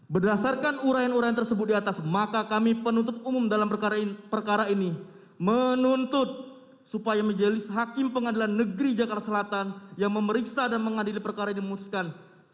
berdasarkan uraian urain tersebut diatas maka kami penutup umum dalam perkara ini menuntut supaya menjelis hakim pengadilan negeri jakarta selatan yang memeriksa dan mengadili perkara ini memutuskan